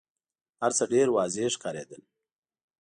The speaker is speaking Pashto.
هرڅه ډېر واضح ښکارېدل.